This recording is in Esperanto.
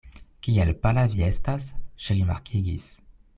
Kiel pala vi estas, ŝi rimarkigis.